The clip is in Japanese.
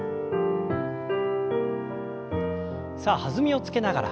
さあ弾みをつけながら。